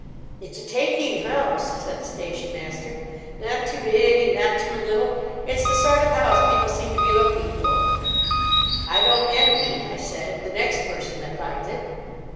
"'It's a taking house,' said the station master; 'not too big and not too little. It's the sort of house people seem to be looking for.' "'I don't envy,' I said, 'the next person that finds it.